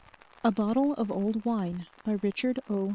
_ A BOTTLE OF Old Wine By Richard O.